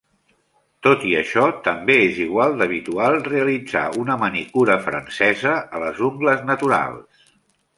Tot i això, també és igual d'habitual realitzar una manicura francesa a les ungles naturals.